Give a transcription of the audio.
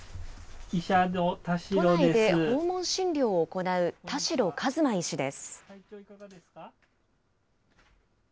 都内で訪問診療を行う田代和馬医師です。